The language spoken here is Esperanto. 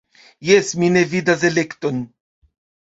Jes, mi ne vidas elekton.